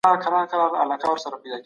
استازي کله د سوله ییز لاریون اجازه ورکوي؟